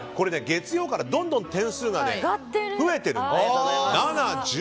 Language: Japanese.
月曜からどんどん点数が増えてるんです。